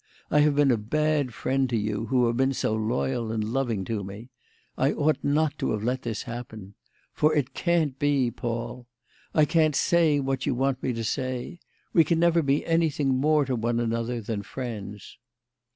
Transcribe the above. I have been a bad friend to you, who have been so loyal and loving to me. I ought not to have let this happen. For it can't be, Paul; I can't say what you want me to say. We can never be anything more to one another than friends."